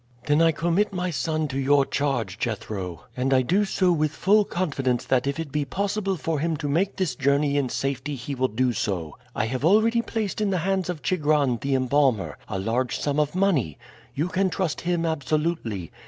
"Then I commit my son to your charge, Jethro, and I do so with full confidence that if it be possible for him to make this journey in safety he will do so. I have already placed in the hands of Chigron, the embalmer, a large sum of money. You can trust him absolutely.